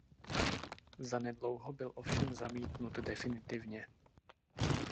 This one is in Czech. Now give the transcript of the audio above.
Zanedlouho byl ovšem zamítnut definitivně.